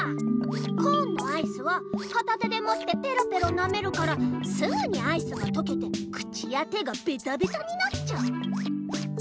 コーンのアイスはかた手でもってペロペロなめるからすぐにアイスがとけて口や手がベタベタになっちゃう。